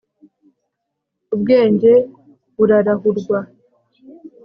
ubwenge burarahurwa